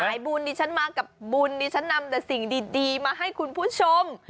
บุญดิฉันมากับบุญดิฉันนำแต่สิ่งดีมาให้คุณผู้ชม